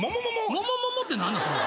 「モモモモ」って何なん？